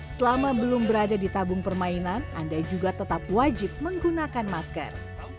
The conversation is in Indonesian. selama belum berada di tabung permainan anda juga tetap wajib menggunakan masker